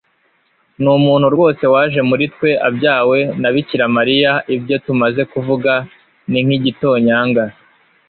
n'umuntu rwose waje muri twe abyawe na bikira mariya. ibyo tumaze kuvuga ni nk'igitonyanga